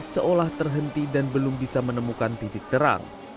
seolah terhenti dan belum bisa menemukan titik terang